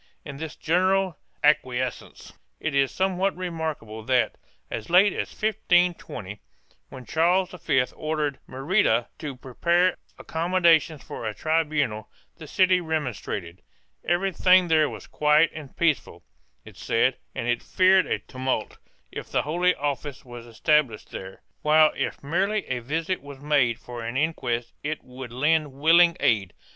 In this general acquiescence it is somewhat remark able that, as late as 1520, when Charles V ordered Merida to prepare accommodations for a tribunal, the city remonstrated; everything there was quiet and peaceable, it said, and it feared a tumult if the Holy Office was established there, while if merely a visit was made for an inquest it would lend willing aid.